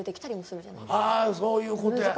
あそういうことや。